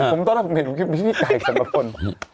ผมต้องเห็นพี่ไก่สมพล